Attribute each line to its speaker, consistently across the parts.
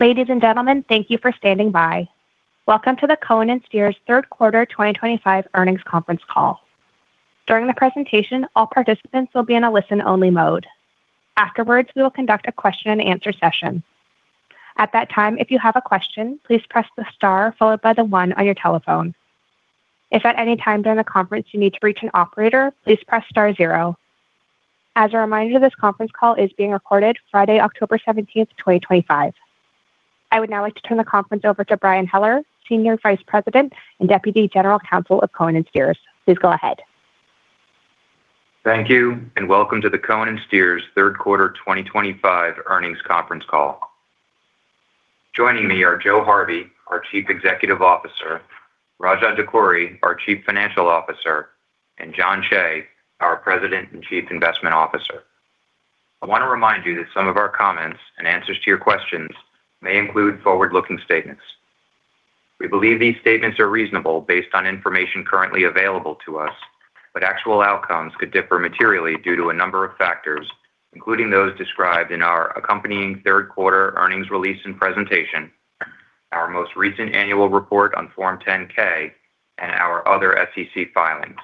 Speaker 1: Ladies and gentlemen, thank you for standing by. Welcome to the Cohen & Steers third quarter 2025 earnings conference call. During the presentation, all participants will be in a listen-only mode. Afterwards, we will conduct a question-and-answer session. At that time, if you have a question, please press the star followed by the one on your telephone. If at any time during the conference you need to reach an operator, please press star zero. As a reminder, this conference call is being recorded Friday, October 17, 2025. I would now like to turn the conference over to Brian Heller, Senior Vice President and Deputy General Counsel of Cohen & Steers. Please go ahead.
Speaker 2: Thank you and welcome to the Cohen & Steers third quarter 2025 earnings conference call. Joining me are Joe Harvey, our Chief Executive Officer, Raja Dakkuri, our Chief Financial Officer, and Jon Cheigh, our President and Chief Investment Officer. I want to remind you that some of our comments and answers to your questions may include forward-looking statements. We believe these statements are reasonable based on information currently available to us, but actual outcomes could differ materially due to a number of factors, including those described in our accompanying third quarter earnings release and presentation, our most recent annual report on Form 10-K, and our other SEC filings.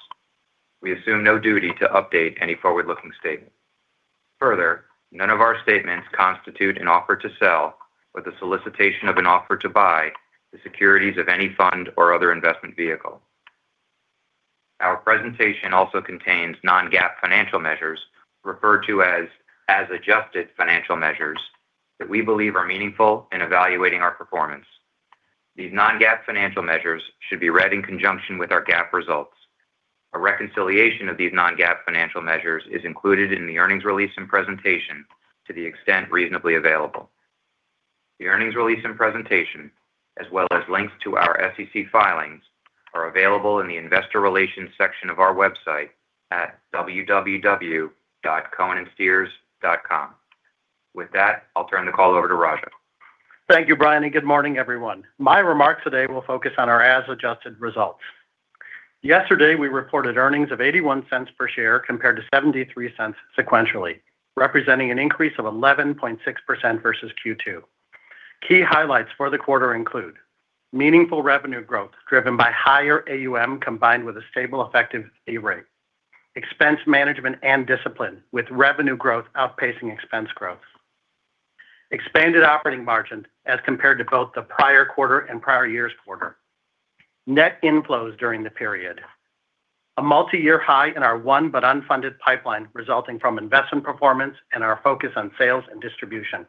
Speaker 2: We assume no duty to update any forward-looking statement. Further, none of our statements constitute an offer to sell or the solicitation of an offer to buy the securities of any fund or other investment vehicle. Our presentation also contains non-GAAP financial measures, referred to as adjusted financial measures, that we believe are meaningful in evaluating our performance. These non-GAAP financial measures should be read in conjunction with our GAAP results. A reconciliation of these non-GAAP financial measures is included in the earnings release and presentation to the extent reasonably available. The earnings release and presentation, as well as links to our SEC filings, are available in the Investor Relations section of our website at www.cohenandsteers.com. With that, I'll turn the call over to Raja.
Speaker 3: Thank you, Brian, and good morning, everyone. My remarks today will focus on our as-adjusted results. Yesterday, we reported earnings of $0.81 per share compared to $0.73 sequentially, representing an increase of 11.6% versus Q2. Key highlights for the quarter include meaningful revenue growth driven by higher AUM combined with a stable effective pay rate, expense management and discipline with revenue growth outpacing expense growth, expanded operating margin as compared to both the prior quarter and prior year's quarter, net inflows during the period, a multi-year high in our one but unfunded pipeline resulting from investment performance and our focus on sales and distribution,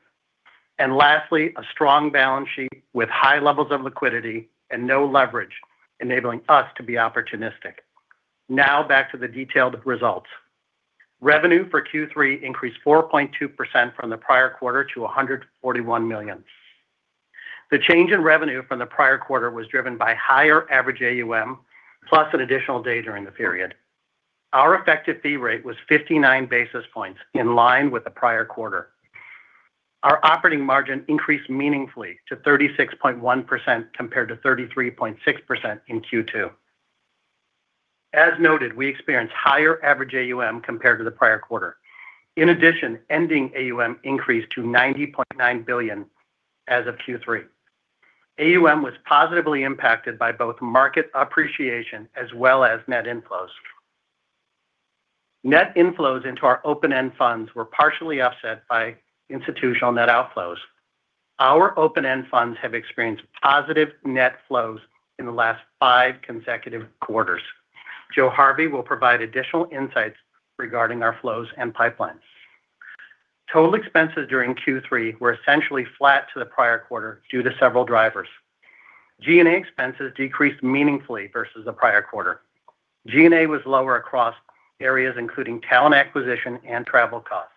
Speaker 3: and lastly, a strong balance sheet with high levels of liquidity and no leverage enabling us to be opportunistic. Now back to the detailed results. Revenue for Q3 increased 4.2% from the prior quarter to $141 million. The change in revenue from the prior quarter was driven by higher average AUM plus an additional day during the period. Our effective fee rate was 59 basis points in line with the prior quarter. Our operating margin increased meaningfully to 36.1% compared to 33.6% in Q2. As noted, we experienced higher average AUM compared to the prior quarter. In addition, ending AUM increased to $90.9 billion as of Q3. AUM was positively impacted by both market appreciation as well as net inflows. Net inflows into our open-end funds were partially offset by institutional net outflows. Our open-end funds have experienced positive net flows in the last five consecutive quarters. Joe Harvey will provide additional insights regarding our flows and pipelines. Total expenses during Q3 were essentially flat to the prior quarter due to several drivers. G&A expenses decreased meaningfully versus the prior quarter. G&A was lower across areas including talent acquisition and travel costs.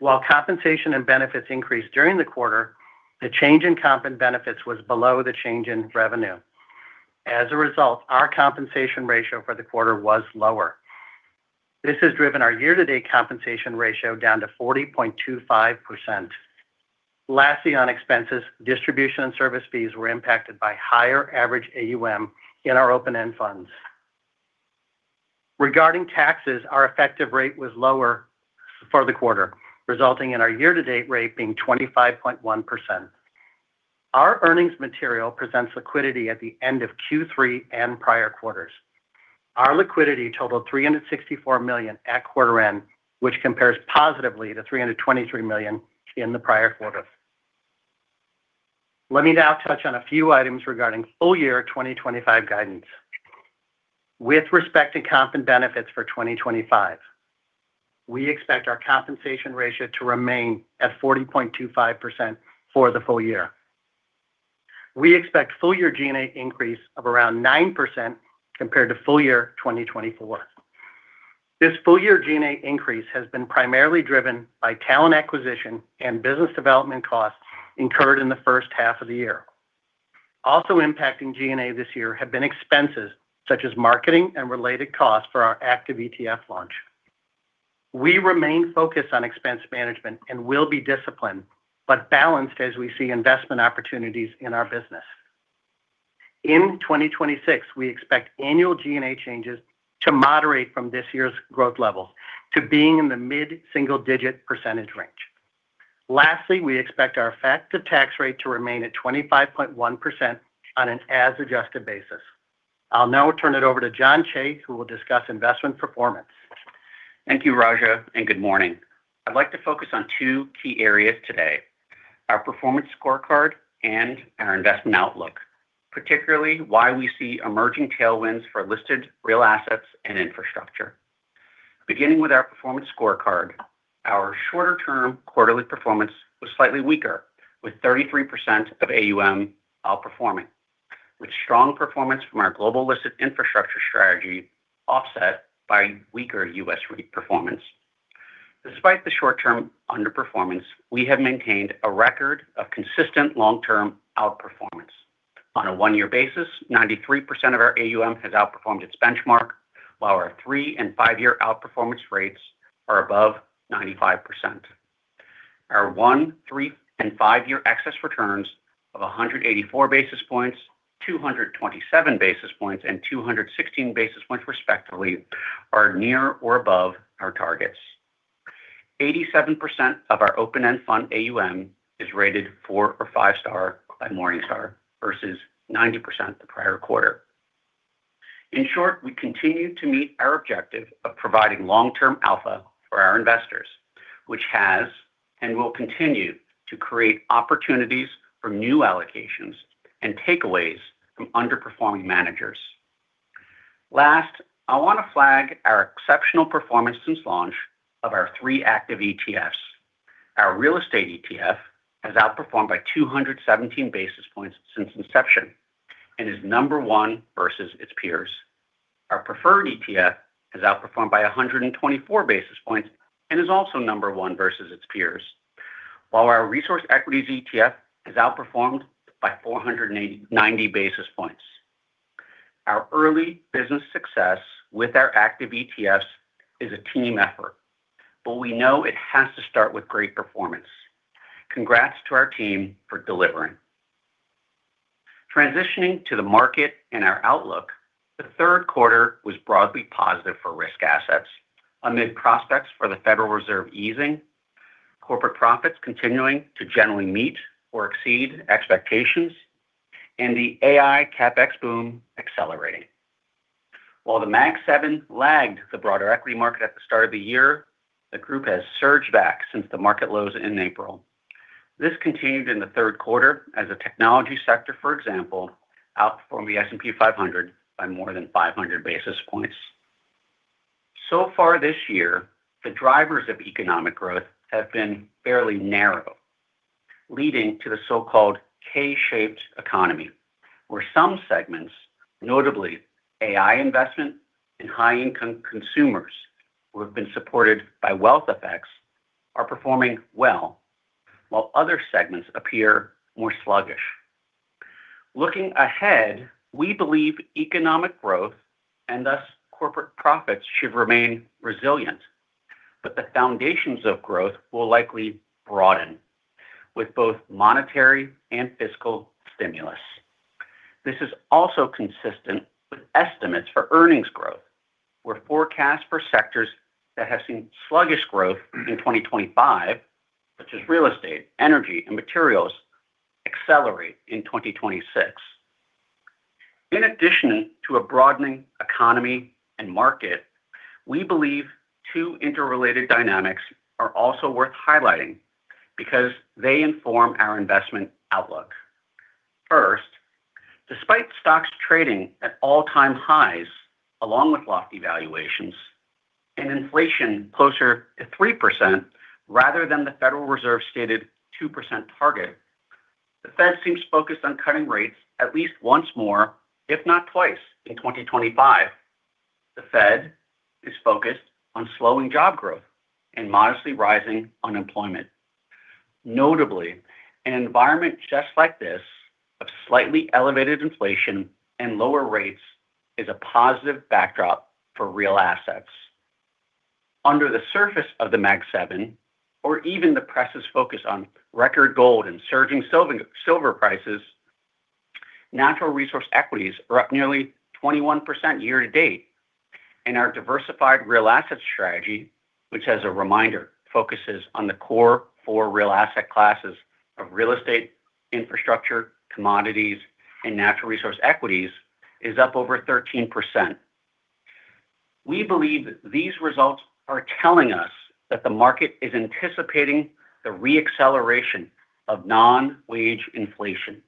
Speaker 3: While compensation and benefits increased during the quarter, the change in comp and benefits was below the change in revenue. As a result, our compensation ratio for the quarter was lower. This has driven our year-to-date compensation ratio down to 40.25%. Lastly, on expenses, distribution and service fees were impacted by higher average AUM in our open-end funds. Regarding taxes, our effective rate was lower for the quarter, resulting in our year-to-date rate being 25.1%. Our earnings material presents liquidity at the end of Q3 and prior quarters. Our liquidity totaled $364 million at quarter end, which compares positively to $323 million in the prior quarter. Let me now touch on a few items regarding full-year 2025 guidance. With respect to comp and benefits for 2025, we expect our compensation ratio to remain at 40.25% for the full year. We expect full-year G&A increase of around 9% compared to full-year 2024. This full-year G&A increase has been primarily driven by talent acquisition and business development costs incurred in the first half of the year. Also impacting G&A this year have been expenses such as marketing and related costs for our active ETF launch. We remain focused on expense management and will be disciplined, but balanced as we see investment opportunities in our business. In 2026, we expect annual G&A changes to moderate from this year's growth levels to being in the mid-single-digit percentage range. Lastly, we expect our effective tax rate to remain at 25.1% on an as-adjusted basis. I'll now turn it over to Jon Cheigh, who will discuss investment performance.
Speaker 4: Thank you, Raja, and good morning. I'd like to focus on two key areas today: our performance scorecard and our investment outlook, particularly why we see emerging tailwinds for listed real assets and infrastructure. Beginning with our performance scorecard, our shorter-term quarterly performance was slightly weaker, with 33% of AUM outperforming, with strong performance from our global listed infrastructure strategy offset by weaker U.S. rate performance. Despite the short-term underperformance, we have maintained a record of consistent long-term outperformance. On a one-year basis, 93% of our AUM has outperformed its benchmark, while our three and five-year outperformance rates are above 95%. Our one, three, and five-year excess returns of 184 basis points, 227 basis points, and 216 basis points respectively are near or above our targets. 87% of our open-end fund AUM is rated four or five-star by Morningstar versus 90% the prior quarter. In short, we continue to meet our objective of providing long-term alpha for our investors, which has and will continue to create opportunities for new allocations and takeaways from underperforming managers. Last, I want to flag our exceptional performance since launch of our three active ETFs. Our real estate ETF has outperformed by 217 basis points since inception and is number one versus its peers. Our preferred ETF has outperformed by 124 basis points and is also number one versus its peers, while our resource equities ETF has outperformed by 490 basis points. Our early business success with our active ETFs is a team effort, but we know it has to start with great performance. Congrats to our team for delivering. Transitioning to the market and our outlook, the third quarter was broadly positive for risk assets amid prospects for the Federal Reserve easing, corporate profits continuing to generally meet or exceed expectations, and the AI CapEx boom accelerating. While the Mag Seven lagged the broader equity market at the start of the year, the group has surged back since the market lows in April. This continued in the third quarter as the technology sector, for example, outperformed the S&P 500 by more than 500 basis points. So far this year, the drivers of economic growth have been fairly narrow, leading to the so-called K-shaped economy, where some segments, notably AI investment and high-income consumers who have been supported by wealth effects, are performing well, while other segments appear more sluggish. Looking ahead, we believe economic growth and thus corporate profits should remain resilient, but the foundations of growth will likely broaden with both monetary and fiscal stimulus. This is also consistent with estimates for earnings growth, where forecasts for sectors that have seen sluggish growth in 2025, such as real estate, energy, and materials, accelerate in 2026. In addition to a broadening economy and market, we believe two interrelated dynamics are also worth highlighting because they inform our investment outlook. First, despite stocks trading at all-time highs along with lofty valuations and inflation closer to 3% rather than the Federal Reserve's stated 2% target, the Fed seems focused on cutting rates at least once more, if not twice, in 2025. The Fed is focused on slowing job growth and modestly rising unemployment. Notably, an environment just like this, of slightly elevated inflation and lower rates, is a positive backdrop for real assets. Under the surface of the Mag Seven, or even the press's focus on record gold and surging silver prices, natural resource equities are up nearly 21% year to date, and our diversified real assets strategy, which as a reminder focuses on the core four real asset classes of real estate, infrastructure, commodities, and natural resource equities, is up over 13%. We believe these results are telling us that the market is anticipating the re-acceleration of non-wage inflation,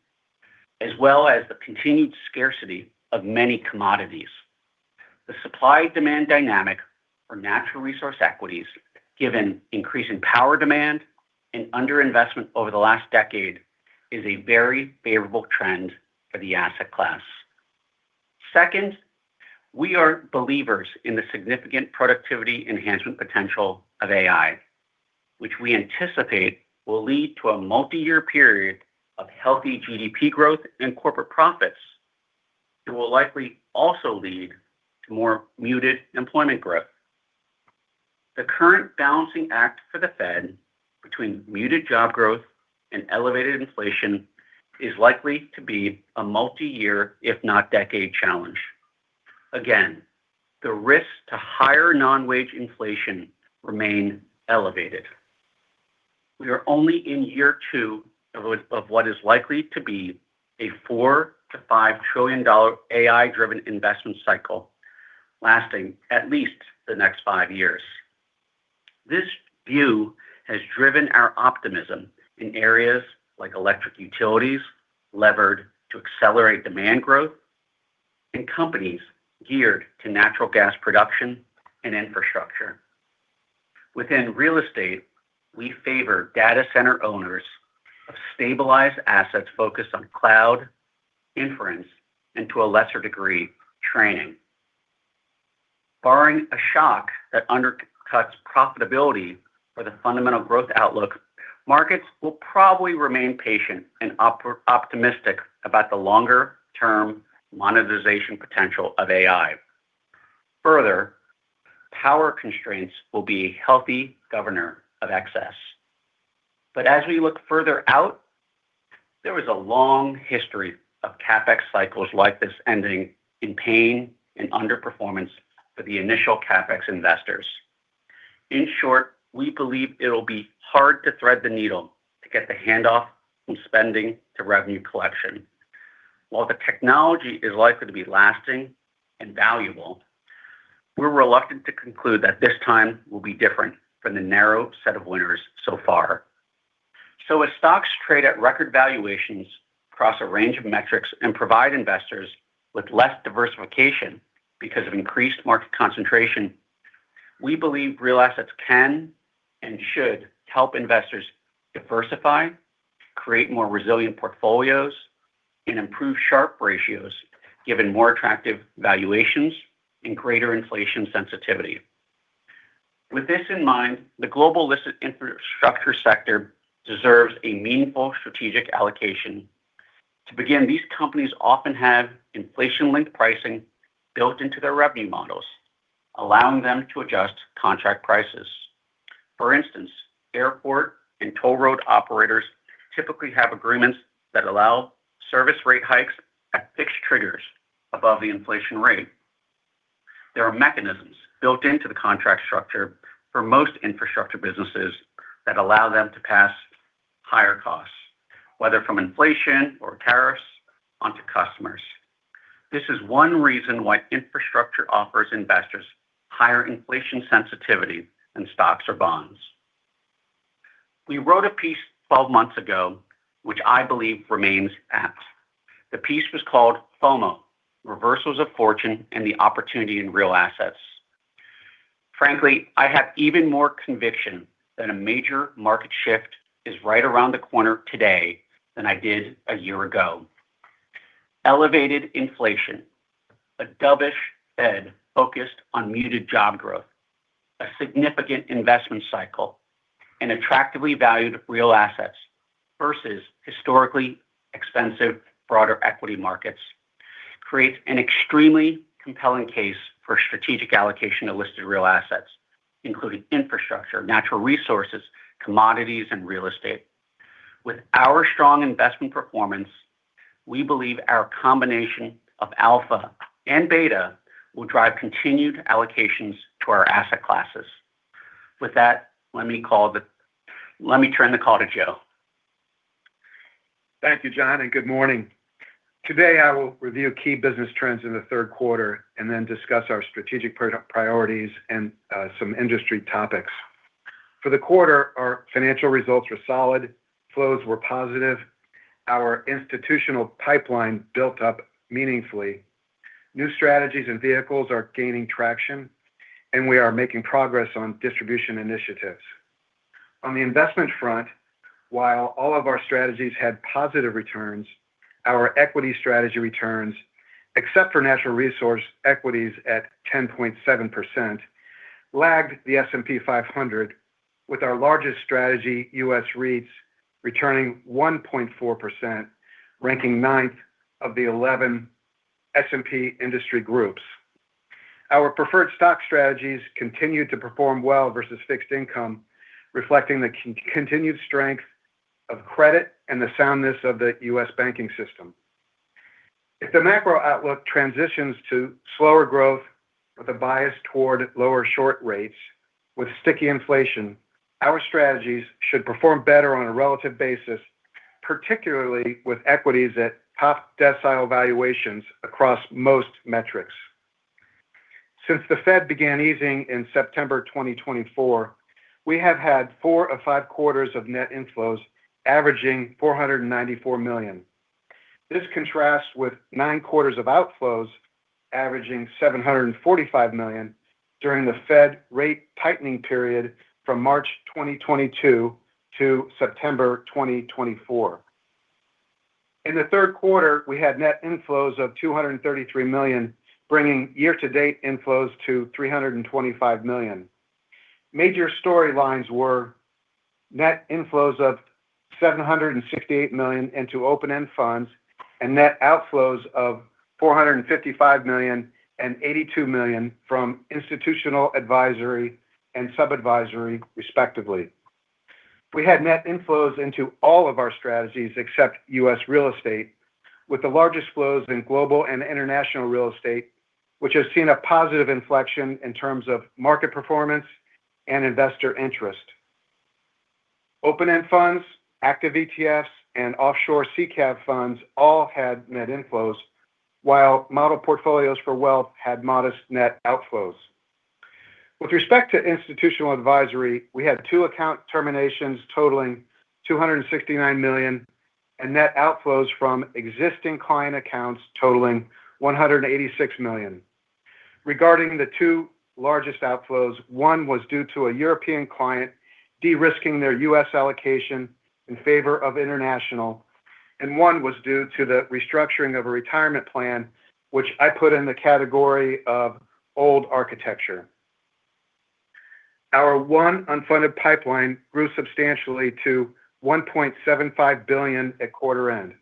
Speaker 4: as well as the continued scarcity of many commodities. The supply-demand dynamic for natural resource equities, given increasing power demand and underinvestment over the last decade, is a very favorable trend for the asset class. Second, we are believers in the significant productivity enhancement potential of AI, which we anticipate will lead to a multi-year period of healthy GDP growth and corporate profits, and will likely also lead to more muted employment growth. The current balancing act for the Fed between muted job growth and elevated inflation is likely to be a multi-year, if not decade, challenge. Again, the risks to higher non-wage inflation remain elevated. We are only in year two of what is likely to be a $4 trillion-$5 trillion AI-driven investment cycle lasting at least the next five years. This view has driven our optimism in areas like electric utilities levered to accelerate demand growth and companies geared to natural gas production and infrastructure. Within real estate, we favor data center owners of stabilized assets focused on cloud inference and, to a lesser degree, training. Barring a shock that undercuts profitability or the fundamental growth outlook, markets will probably remain patient and optimistic about the longer-term monetization potential of AI. Further, power constraints will be a healthy governor of excess. As we look further out, there is a long history of CapEx cycles like this ending in pain and underperformance for the initial CapEx investors. In short, we believe it'll be hard to thread the needle to get the handoff from spending to revenue collection. While the technology is likely to be lasting and valuable, we're reluctant to conclude that this time will be different from the narrow set of winners so far. As stocks trade at record valuations across a range of metrics and provide investors with less diversification because of increased market concentration, we believe real assets can and should help investors diversify, create more resilient portfolios, and improve Sharpe ratios given more attractive valuations and greater inflation sensitivity. With this in mind, the global listed infrastructure sector deserves a meaningful strategic allocation. To begin, these companies often have inflation-linked pricing built into their revenue models, allowing them to adjust contract prices. For instance, airport and toll road operators typically have agreements that allow service rate hikes at fixed triggers above the inflation rate. There are mechanisms built into the contract structure for most infrastructure businesses that allow them to pass higher costs, whether from inflation or tariffs, onto customers. This is one reason why infrastructure offers investors higher inflation sensitivity than stocks or bonds. We wrote a piece 12 months ago, which I believe remains apt. The piece was called FOMO: Reversals of Fortune and the Opportunity in Real Assets. Frankly, I have even more conviction that a major market shift is right around the corner today than I did a year ago. Elevated inflation, a dovish Fed focused on muted job growth, a significant investment cycle, and attractively valued real assets versus historically expensive broader equity markets create an extremely compelling case for strategic allocation to listed real assets, including infrastructure, natural resources, commodities, and real estate. With our strong investment performance, we believe our combination of alpha and beta will drive continued allocations to our asset classes. With that, let me turn the call to Joe.
Speaker 5: Thank you, Jon, and good morning. Today, I will review key business trends in the third quarter and then discuss our strategic priorities and some industry topics. For the quarter, our financial results were solid, flows were positive, our institutional pipeline built up meaningfully, new strategies and vehicles are gaining traction, and we are making progress on distribution initiatives. On the investment front, while all of our strategies had positive returns, our equity strategy returns, except for resource equities at 10.7%, lagged the S&P 500 with our largest strategy, US REITs, returning 1.4%, ranking ninth of the 11 S&P industry groups. Our preferred securities strategies continued to perform well versus fixed income, reflecting the continued strength of credit and the soundness of the US banking system. If the macro outlook transitions to slower growth with a bias toward lower short rates with sticky inflation, our strategies should perform better on a relative basis, particularly with equities at top decile valuations across most metrics. Since the Federal Reserve began easing in September 2024, we have had four of five quarters of net inflows averaging $494 million. This contrasts with nine quarters of outflows averaging $745 million during the Federal Reserve rate tightening period from March 2022 to September 2024. In the third quarter, we had net inflows of $233 million, bringing year-to-date inflows to $325 million. Major storylines were net inflows of $768 million into open-end funds and net outflows of $455 million and $82 million from institutional advisory and subadvisory, respectively. We had net inflows into all of our strategies except US real estate, with the largest flows in global and international real estate, which has seen a positive inflection in terms of market performance and investor interest. Open-end funds, active ETFs, and offshore CCAB funds all had net inflows, while model portfolios for wealth had modest net outflows. With respect to institutional advisory, we had two account terminations totaling $269 million and net outflows from existing client accounts totaling $186 million. Regarding the two largest outflows, one was due to a European client de-risking their US allocation in favor of international, and one was due to the restructuring of a retirement plan, which I put in the category of old architecture. Our one unfunded pipeline grew substantially to $1.75 billion at quarter end,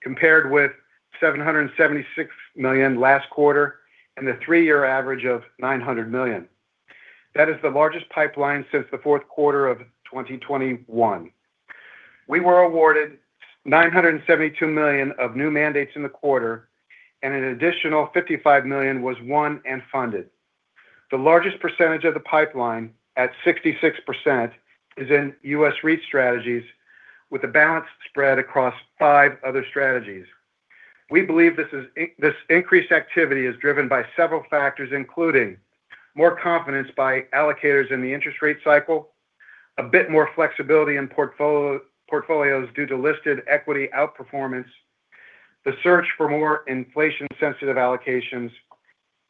Speaker 5: compared with $776 million last quarter and the three-year average of $900 million. That is the largest pipeline since the fourth quarter of 2021. We were awarded $972 million of new mandates in the quarter, and an additional $55 million was won and funded. The largest percentage of the pipeline at 66% is in US REIT strategies, with a balanced spread across five other strategies. We believe this increased activity is driven by several factors, including more confidence by allocators in the interest rate cycle, a bit more flexibility in portfolios due to listed equity outperformance, the search for more inflation-sensitive allocations,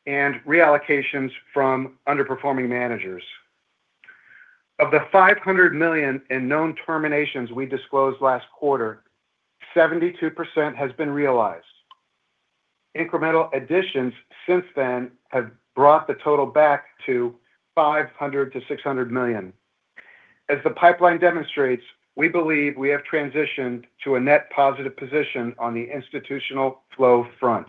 Speaker 5: and reallocations from underperforming managers. Of the $500 million in known terminations we disclosed last quarter, 72% has been realized. Incremental additions since then have brought the total back to $500 million-$600 million. As the pipeline demonstrates, we believe we have transitioned to a net positive position on the institutional flow front.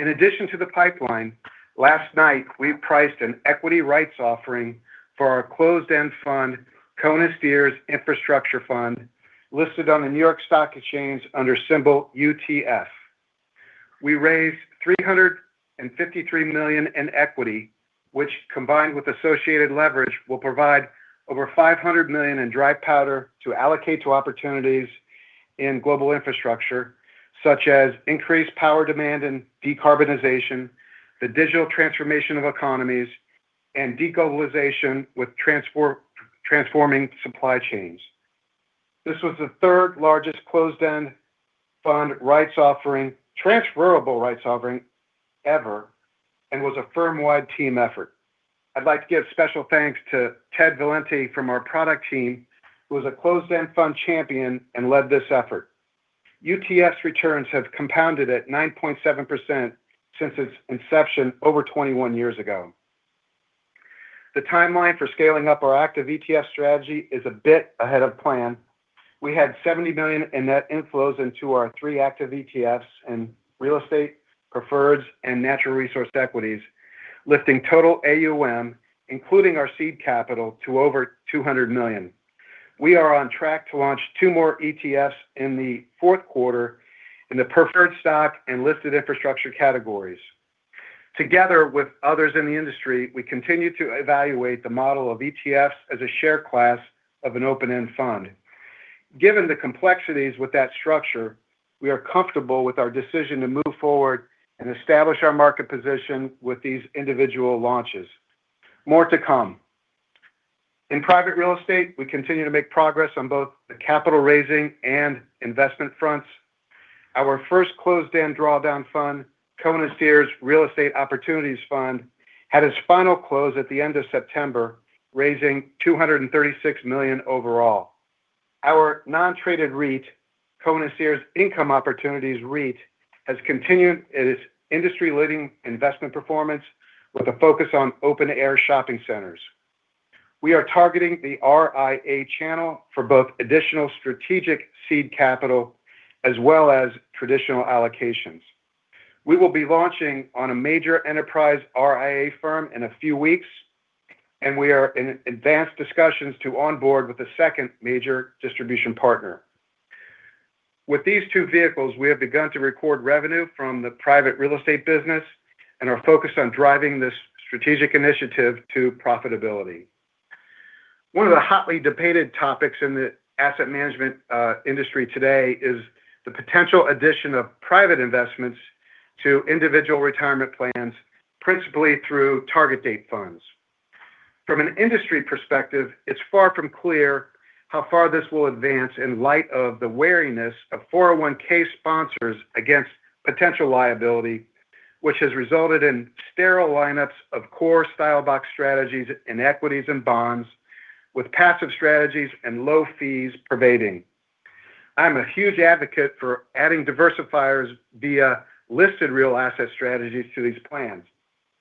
Speaker 5: In addition to the pipeline, last night we priced an equity rights offering for our closed-end fund, Cohen & Steers Infrastructure Fund, listed on the New York Stock Exchange under symbol UTF. We raised $353 million in equity, which, combined with associated leverage, will provide over $500 million in dry powder to allocate to opportunities in global infrastructure, such as increased power demand and decarbonization, the digital transformation of economies, and deglobalization with transforming supply chains. This was the third largest closed-end fund rights offering, transferable rights offering ever, and was a firm-wide team effort. I'd like to give special thanks to Ted Valenti from our product team, who is a closed-end fund champion and led this effort. UTF's returns have compounded at 9.7% since its inception over 21 years ago. The timeline for scaling up our active ETF strategy is a bit ahead of plan. We had $70 million in net inflows into our three active ETFs in real estate, preferreds, and natural resource equities, lifting total AUM, including our seed capital, to over $200 million. We are on track to launch two more ETFs in the fourth quarter in the preferred stock and listed infrastructure categories. Together with others in the industry, we continue to evaluate the model of ETFs as a shared class of an open-end fund. Given the complexities with that structure, we are comfortable with our decision to move forward and establish our market position with these individual launches. More to come. In private real estate, we continue to make progress on both the capital raising and investment fronts. Our first closed-end drawdown fund, Cohen & Steers Real Estate Opportunities Fund, had its final close at the end of September, raising $236 million overall. Our non-traded REIT, Cohen & Steers Income Opportunities REIT, has continued its industry-leading investment performance with a focus on open-air shopping centers. We are targeting the RIA channel for both additional strategic seed capital as well as traditional allocations. We will be launching on a major enterprise RIA firm in a few weeks, and we are in advanced discussions to onboard with a second major distribution partner. With these two vehicles, we have begun to record revenue from the private real estate business and are focused on driving this strategic initiative to profitability. One of the hotly debated topics in the asset management industry today is the potential addition of private investments to individual retirement plans, principally through target date funds. From an industry perspective, it's far from clear how far this will advance in light of the wariness of 401(k) sponsors against potential liability, which has resulted in sterile lineups of core style box strategies in equities and bonds, with passive strategies and low fees pervading. I'm a huge advocate for adding diversifiers via listed real asset strategies to these plans.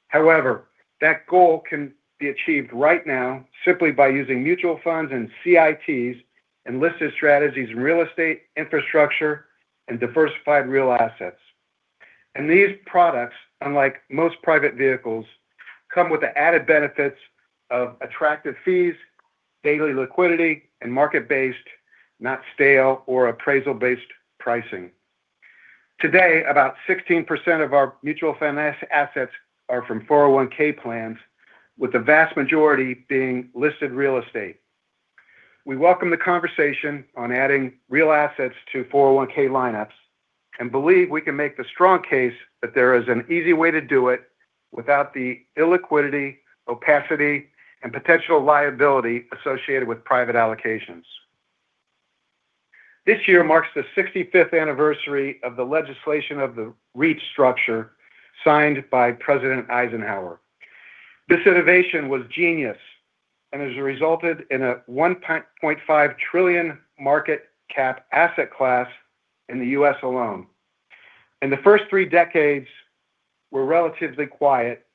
Speaker 5: However, that goal can be achieved right now simply by using mutual funds and CITs and listed strategies in real estate, infrastructure, and diversified real assets. These products, unlike most private vehicles, come with the added benefits of attractive fees, daily liquidity, and market-based, not stale, or appraisal-based pricing. Today, about 16% of our mutual fund assets are from 401(k) plans, with the vast majority being listed real estate. We welcome the conversation on adding real assets to 401(k) lineups and believe we can make the strong case that there is an easy way to do it without the illiquidity, opacity, and potential liability associated with private allocations. This year marks the 65th anniversary of the legislation of the REIT structure signed by President Eisenhower. This innovation was genius and has resulted in a $1.5 trillion market cap asset class in the U.S. alone. In the first three decades, we're relatively quiet,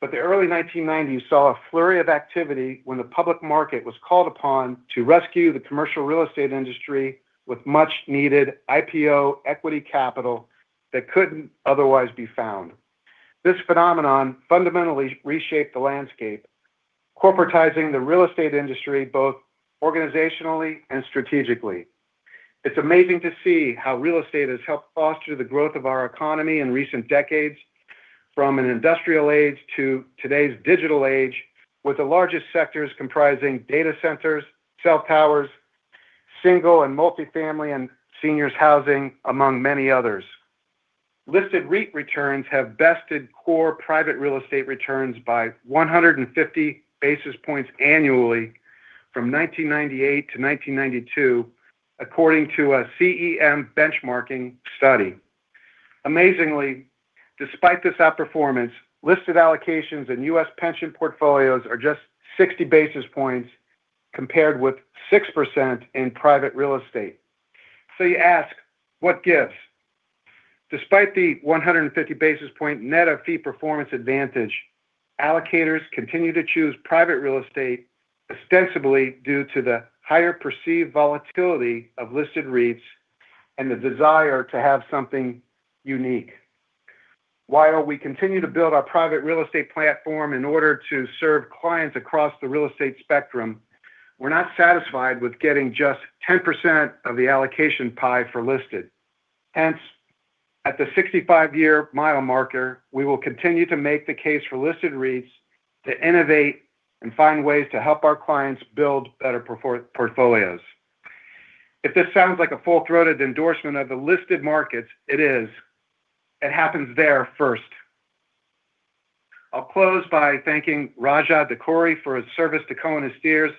Speaker 5: but the early 1990s saw a flurry of activity when the public market was called upon to rescue the commercial real estate industry with much-needed IPO equity capital that couldn't otherwise be found. This phenomenon fundamentally reshaped the landscape, corporatizing the real estate industry both organizationally and strategically. It's amazing to see how real estate has helped foster the growth of our economy in recent decades, from an industrial age to today's digital age, with the largest sectors comprising data centers, cell towers, single and multifamily, and seniors' housing, among many others. Listed REIT returns have bested core private real estate returns by 150 basis points annually from 1998 to 2022, according to a CEM benchmarking study. Amazingly, despite this outperformance, listed allocations in U.S. pension portfolios are just 60 basis points compared with 6% in private real estate. You ask, what gives? Despite the 150 basis points net of fee performance advantage, allocators continue to choose private real estate ostensibly due to the higher perceived volatility of listed REITs and the desire to have something unique. While we continue to build our private real estate platform in order to serve clients across the real estate spectrum, we're not satisfied with getting just 10% of the allocation pie for listed. At the 65-year mile marker, we will continue to make the case for listed REITs to innovate and find ways to help our clients build better portfolios. If this sounds like a full-throated endorsement of the listed markets, it is. It happens there first. I'll close by thanking Raja Dakkuri for his service to Cohen & Steers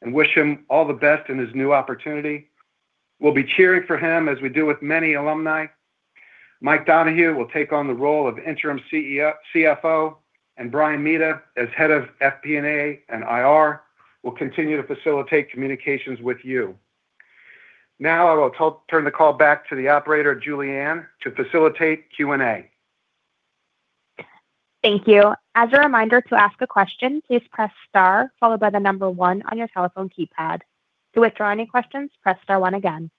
Speaker 5: and wish him all the best in his new opportunity. We'll be cheering for him as we do with many alumni. Mike Donahue will take on the role of Interim CFO, and Brian Mehta, as Head of FP&A and IR, will continue to facilitate communications with you. Now I will turn the call back to the operator, Julie Ann, to facilitate Q&A.
Speaker 1: Thank you. As a reminder, to ask a question, please press star followed by the number one on your telephone keypad. To withdraw any questions, press star one again.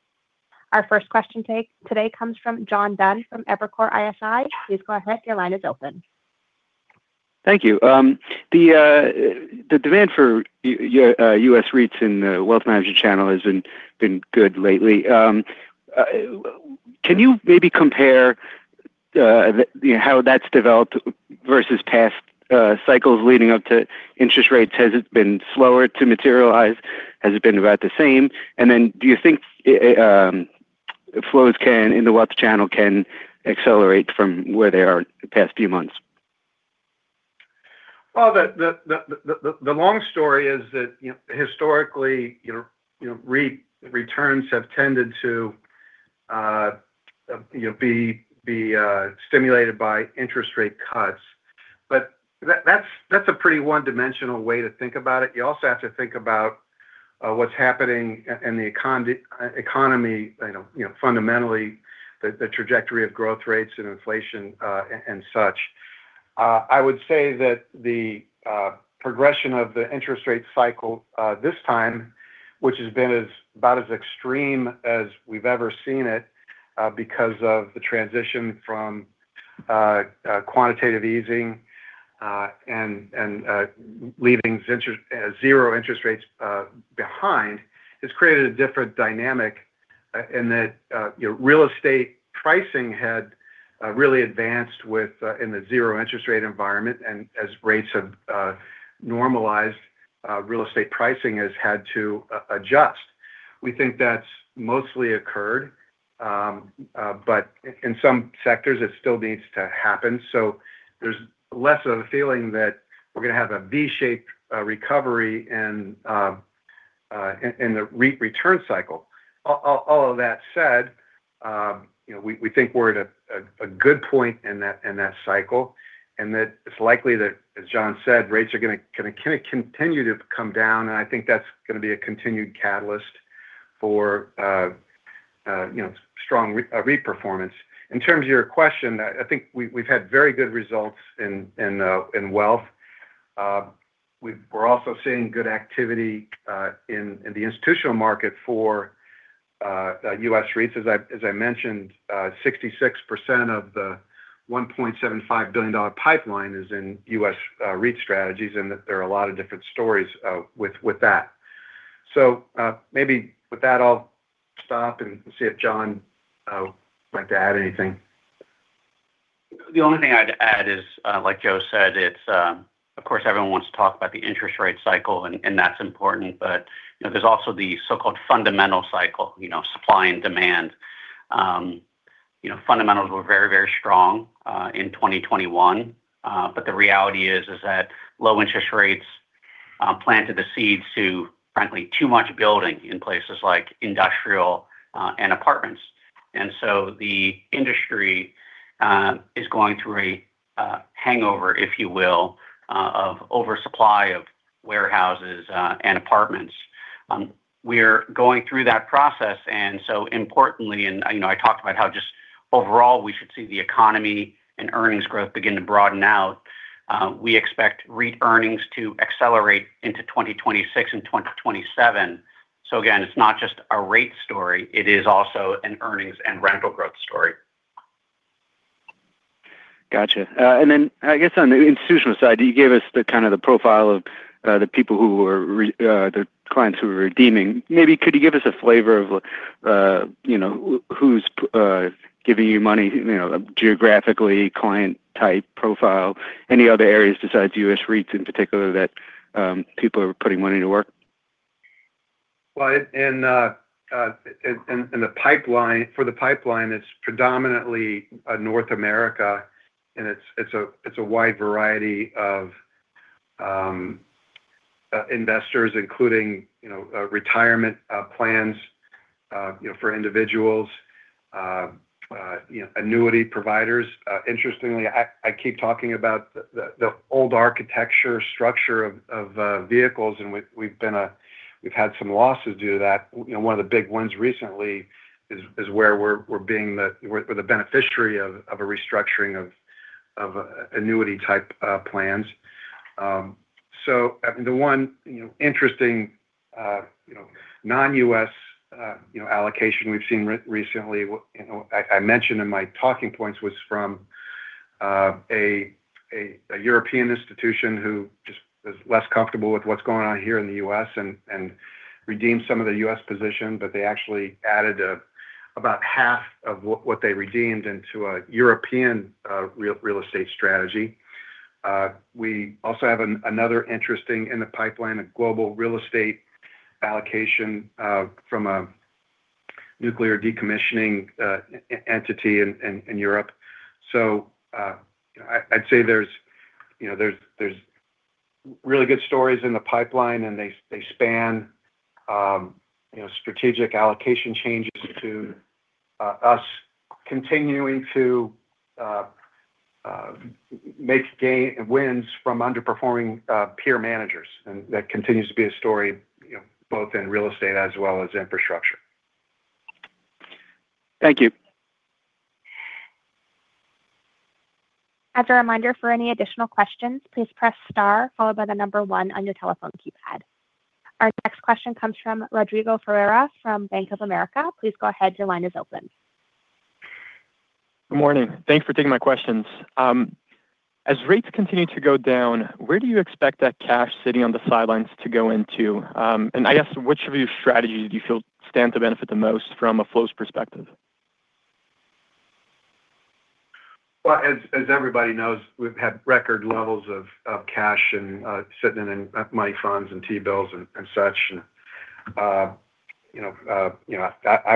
Speaker 1: Our first question today comes from John Dunn from Evercore ISI. Please go ahead. Your line is open.
Speaker 6: Thank you. The demand for US REITs in the wealth management channel has been good lately. Can you maybe compare how that's developed versus past cycles leading up to interest rates? Has it been slower to materialize? Has it been about the same? Do you think flows in the wealth channel can accelerate from where they are in the past few months?
Speaker 5: The long story is that historically, you know, REIT returns have tended to be stimulated by interest rate cuts. That's a pretty one-dimensional way to think about it. You also have to think about what's happening in the economy, you know, fundamentally the trajectory of growth rates and inflation and such. I would say that the progression of the interest rate cycle this time, which has been about as extreme as we've ever seen it because of the transition from quantitative easing and leaving zero interest rates behind, has created a different dynamic in that real estate pricing had really advanced in the zero interest rate environment. As rates have normalized, real estate pricing has had to adjust. We think that's mostly occurred, but in some sectors, it still needs to happen. There's less of a feeling that we're going to have a V-shaped recovery in the REIT return cycle. All of that said, we think we're at a good point in that cycle and that it's likely that, as John said, rates are going to continue to come down. I think that's going to be a continued catalyst for strong REIT performance. In terms of your question, I think we've had very good results in wealth. We're also seeing good activity in the institutional market for US REITs. As I mentioned, 66% of the $1.75 billion pipeline is in US REIT strategies and that there are a lot of different stories with that. Maybe with that, I'll stop and see if John would like to add anything.
Speaker 4: The only thing I'd add is, like Joe said, of course, everyone wants to talk about the interest rate cycle and that's important, but there's also the so-called fundamental cycle, you know, supply and demand. Fundamentals were very, very strong in 2021, but the reality is that low interest rates planted the seeds to, frankly, too much building in places like industrial and apartments. The industry is going through a hangover, if you will, of oversupply of warehouses and apartments. We're going through that process. Importantly, I talked about how just overall we should see the economy and earnings growth begin to broaden out. We expect REIT earnings to accelerate into 2026 and 2027. It's not just a rate story. It is also an earnings and rental growth story.
Speaker 6: Gotcha. I guess on the institutional side, you gave us the kind of the profile of the people who were the clients who were redeeming. Maybe could you give us a flavor of, you know, who's giving you money, you know, geographically, client type profile? Any other areas besides US REITs in particular that people are putting money to work?
Speaker 5: In the pipeline, it's predominantly North America, and it's a wide variety of investors, including retirement plans for individuals and annuity providers. Interestingly, I keep talking about the old architecture structure of vehicles, and we've had some losses due to that. One of the big ones recently is where we're being the beneficiary of a restructuring of annuity type plans. The one interesting non-U.S. allocation we've seen recently, I mentioned in my talking points, was from a European institution who just was less comfortable with what's going on here in the U.S. and redeemed some of the U.S. position, but they actually added about half of what they redeemed into a European real estate strategy. We also have another interesting in the pipeline, a global real estate allocation from a nuclear decommissioning entity in Europe. I'd say there are really good stories in the pipeline, and they span strategic allocation changes to us continuing to make gains and wins from underperforming peer managers. That continues to be a story both in real estate as well as infrastructure.
Speaker 6: Thank you.
Speaker 1: As a reminder, for any additional questions, please press star followed by the number one on your telephone keypad. Our next question comes from Rodrigo Ferreira from Bank of America. Please go ahead. Your line is open.
Speaker 7: Good morning. Thanks for taking my questions. As rates continue to go down, where do you expect that cash sitting on the sidelines to go into? Which of your strategies do you feel stand to benefit the most from a flows perspective?
Speaker 5: As everybody knows, we've had record levels of cash sitting in money funds and T-bills and such. I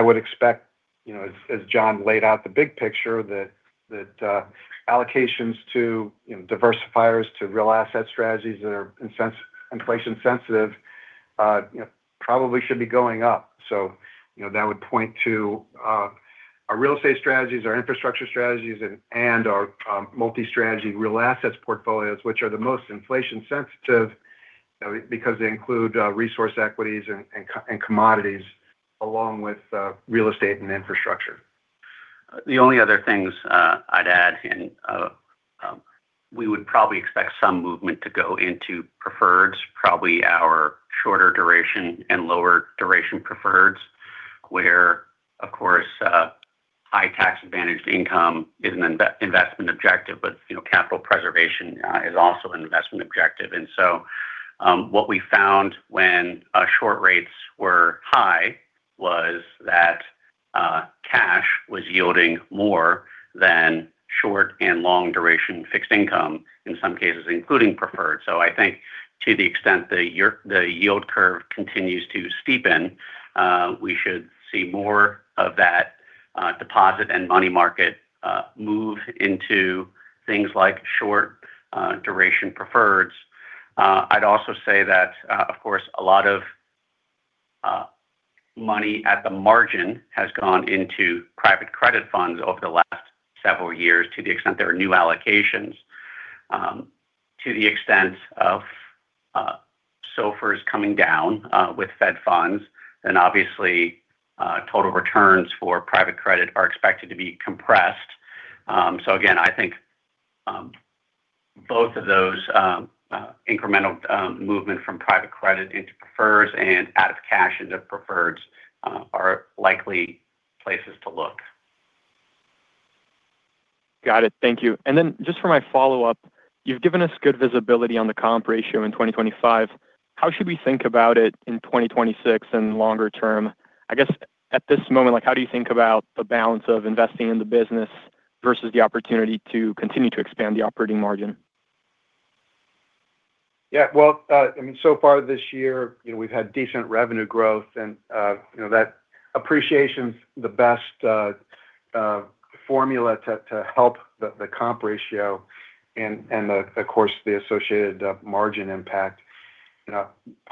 Speaker 5: would expect, as John laid out the big picture, that allocations to diversifiers to real asset strategies that are inflation-sensitive probably should be going up. That would point to our real estate strategies, our infrastructure strategies, and our multi-strategy real assets portfolios, which are the most inflation-sensitive because they include resource equities and commodities, along with real estate and infrastructure.
Speaker 4: The only other things I'd add, we would probably expect some movement to go into preferreds, probably our shorter duration and lower duration preferreds, where, of course, high tax-advantaged income is an investment objective, but, you know, capital preservation is also an investment objective. What we found when short rates were high was that cash was yielding more than short and long duration fixed income, in some cases, including preferred. I think to the extent the yield curve continues to steepen, we should see more of that deposit and money market move into things like short duration preferreds. I'd also say that, of course, a lot of money at the margin has gone into private credit funds over the last several years to the extent there are new allocations, to the extent of SOFRs coming down with Fed funds, and obviously total returns for private credit are expected to be compressed. I think both of those incremental movements from private credit into preferreds and out of cash into preferreds are likely places to look.
Speaker 7: Got it. Thank you. Just for my follow-up, you've given us good visibility on the comp ratio in 2025. How should we think about it in 2026 and longer term? I guess at this moment, how do you think about the balance of investing in the business versus the opportunity to continue to expand the operating margin?
Speaker 5: Yeah. So far this year, we've had decent revenue growth, and that appreciation is the best formula to help the comp ratio and, of course, the associated margin impact.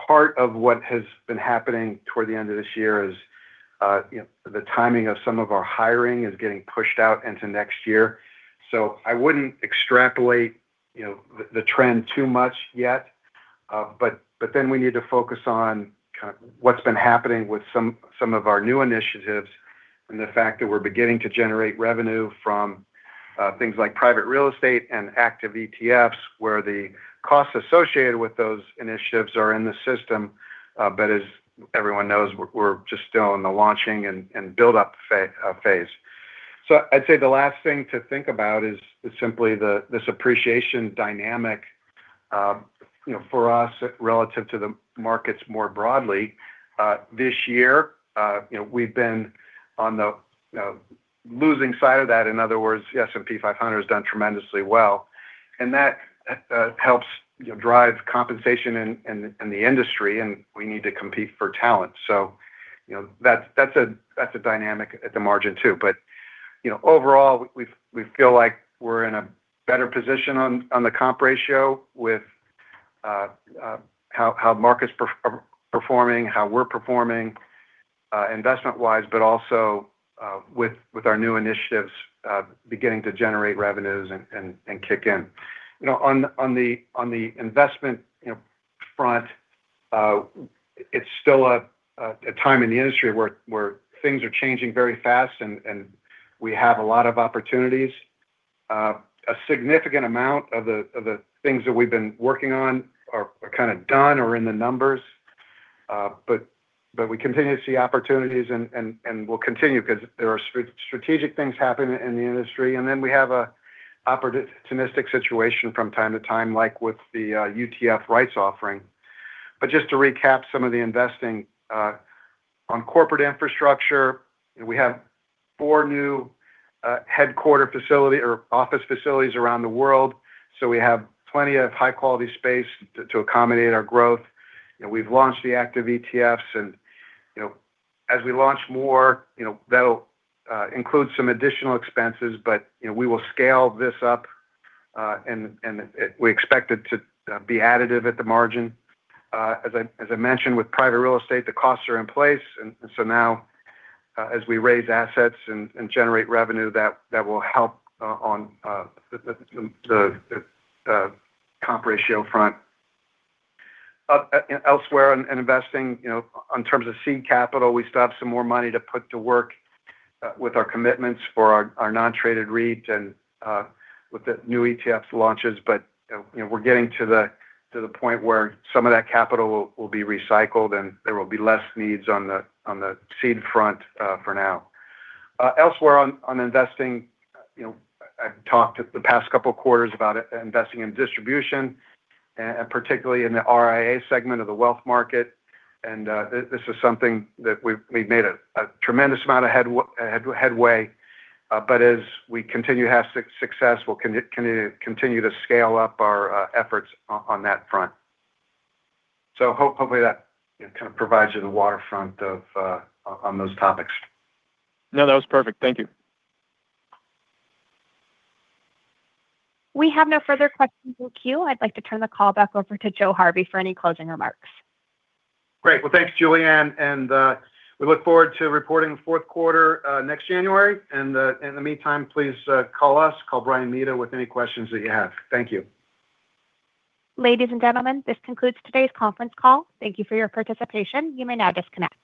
Speaker 5: Part of what has been happening toward the end of this year is the timing of some of our hiring is getting pushed out into next year. I wouldn't extrapolate the trend too much yet. We need to focus on what's been happening with some of our new initiatives and the fact that we're beginning to generate revenue from things like private real estate and active ETFs, where the costs associated with those initiatives are in the system. As everyone knows, we're just still in the launching and build-up phase. I'd say the last thing to think about is simply this appreciation dynamic for us relative to the markets more broadly. This year, we've been on the losing side of that. In other words, the S&P 500 has done tremendously well, and that helps drive compensation in the industry, and we need to compete for talent. That's a dynamic at the margin too. Overall, we feel like we're in a better position on the comp ratio with how the market's performing, how we're performing investment-wise, but also with our new initiatives beginning to generate revenues and kick in. On the investment front, it's still a time in the industry where things are changing very fast, and we have a lot of opportunities. A significant amount of the things that we've been working on are kind of done or in the numbers, but we continue to see opportunities, and we'll continue because there are strategic things happening in the industry. We have an opportunistic situation from time to time, like with the UTF rights offering. Just to recap some of the investing on corporate infrastructure, we have four new headquarter facilities or office facilities around the world. We have plenty of high-quality space to accommodate our growth. We've launched the active ETFs, and as we launch more, that'll include some additional expenses, but we will scale this up, and we expect it to be additive at the margin. As I mentioned, with private real estate, the costs are in place. Now, as we raise assets and generate revenue, that will help on the comp ratio front. Elsewhere in investing, in terms of seed capital, we still have some more money to put to work with our commitments for our non-traded REIT and with the new ETF launches. We're getting to the point where some of that capital will be recycled, and there will be less needs on the seed front for now. Elsewhere on investing, I've talked the past couple of quarters about investing in distribution and particularly in the RIA segment of the wealth market. This is something that we've made a tremendous amount of headway. As we continue to have success, we'll continue to scale up our efforts on that front. Hopefully that kind of provides you the waterfront on those topics.
Speaker 7: No, that was perfect. Thank you.
Speaker 1: We have no further questions in the queue. I'd like to turn the call back over to Joe Harvey for any closing remarks.
Speaker 5: Great. Thank you, Julie Ann. We look forward to reporting the fourth quarter next January. In the meantime, please call us or call Brian Mehta with any questions that you have. Thank you.
Speaker 1: Ladies and gentlemen, this concludes today's conference call. Thank you for your participation. You may now disconnect.